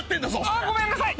あごめんなさい！